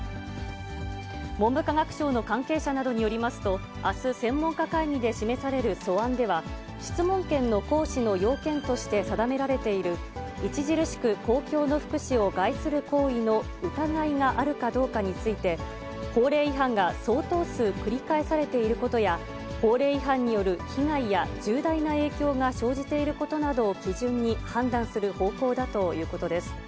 文部科学省の関係者などによりますと、あす、専門家会議で示される素案では、質問権の行使の要件として定められている、著しく公共の福祉を害する行為の疑いがあるかどうかについて、法令違反が相当数繰り返されていることや、法令違反による被害や重大な影響が生じていることなどを基準に判断する方向だということです。